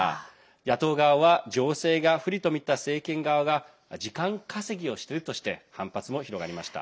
野党側は情勢が不利と見た政権側が時間稼ぎをしてるとして反発も広がりました。